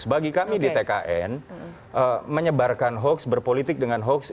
bagi kami di tkn menyebarkan hoax berpolitik dengan hoax